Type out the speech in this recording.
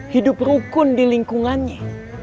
hidup rukun di lingkungannya